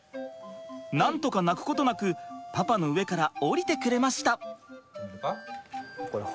なんとか泣くことなくパパの上から降りてくれました。